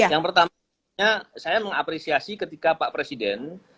yang pertama saya mengapresiasi ketika pak presiden